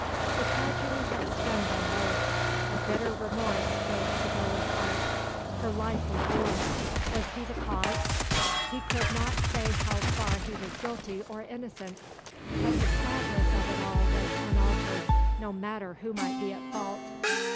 The tragedy had stunned them both. A bitter remorse filled Savrola's heart. Her life was ruined, was he the cause? He could not say how far he was guilty or innocent; but the sadness of it all was unaltered, no matter who might be at fault.